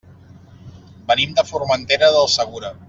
Venim de Formentera del Segura.